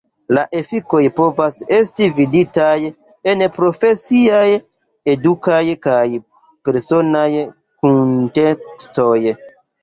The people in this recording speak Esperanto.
La efikoj povas esti viditaj en profesiaj, edukaj kaj personaj kuntekstoj.